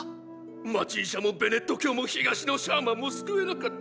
街医者もベネット教も東のシャーマンも救えなかった。